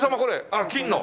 あっ金の。